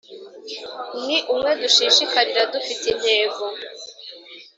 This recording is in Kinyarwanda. Ni umwe dushishikarira dufite intego